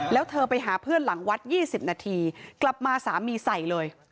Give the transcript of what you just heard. แล้วเธอไปหาเพื่อนหลังวัด๒๐นาทีกลับมาสามีใส่เลย